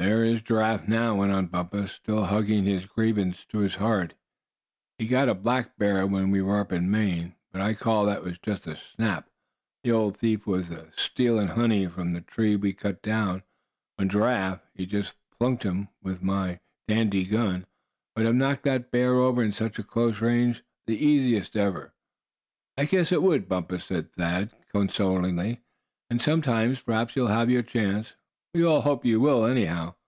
"There is Giraffe, now," went on Bumpus, still hugging his grievance to his heart; "he got a black bear when we were up in Maine, but I call that just a snap. The old thief was astealin' honey from the tree we cut down, when Giraffe, he just plunked him. Why, my dandy gun would have knocked that bear over at such close range, the easiest ever." "I guess it would, Bumpus," said Thad, consolingly, "and sometime, perhaps you'll have your chance. We all hope you will, anyhow."